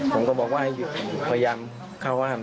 ผมก็บอกว่าให้หยุดพยายามเข้าห้าม